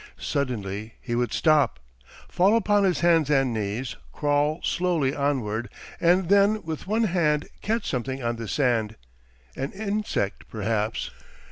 Suddenly he would stop, fall upon his hands and knees, crawl slowly onward, and then with one hand catch something on the sand; an insect, perhaps.